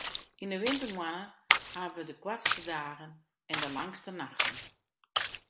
Yn 'e wintermoannen hawwe wy de koartste dagen en de langste nachten.